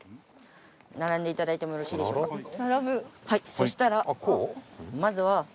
そしたらまずは。